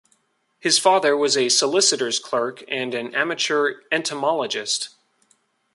His father was a solicitor's clerk and an amateur entomologist.